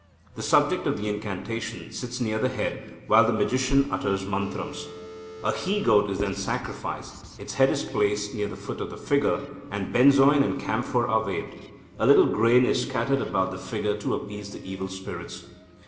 The subject of the incantation sits near the head, while the magician mutters mantrams. A he goat is then sacrificed. Its head is placed near the foot of the figure, and benzoin and camphor are waved. A little grain is scattered about the figure to appease the evil spirits.